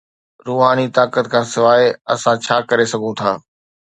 روحاني طاقت کان سواء، اسان ڇا ڪري سگهون ٿا؟